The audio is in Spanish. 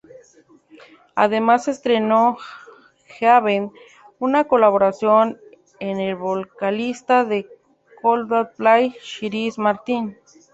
Además estrenó ""Heaven"", una colaboración con el vocalista de Coldplay, Chris Martin.